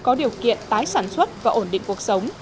có điều kiện tái sản xuất và ổn định cuộc sống